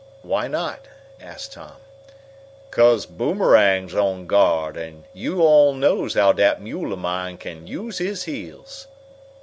"Why not?" asked Tom. "'Cause Boomerang's on guard, an' yo' all knows how dat mule of mine can use his heels!"